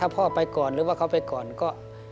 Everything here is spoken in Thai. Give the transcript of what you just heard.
พ่อไปก่อนหรือว่าเขาไปก่อนก็